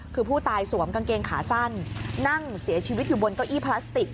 คือผู้ตายสวมกางเกงขาสั้นนั่งเสียชีวิตอยู่บนเก้าอี้พลาสติก